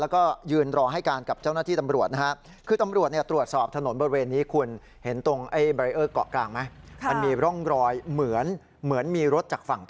ก็ยืนรอให้การกับเจ้าหน้าที่ตำรวจนะฮะ